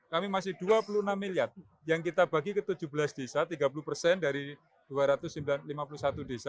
kami masih dua puluh enam miliar yang kita bagi ke tujuh belas desa tiga puluh persen dari dua ratus lima puluh satu desa